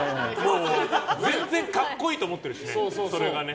全然格好いいと思ってるしねそれがね。